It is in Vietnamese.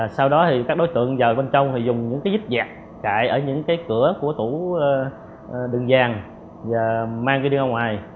sau đó thì các đối tượng vào bên trong thì dùng những cái dít dẹt cãi ở những cái cửa của tủ đường dàng và mang đi ra ngoài